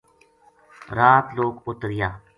رات لوک اُت رہیا